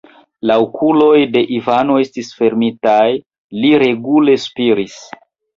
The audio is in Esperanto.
La okuloj de Ivano estis fermitaj, li regule spiris.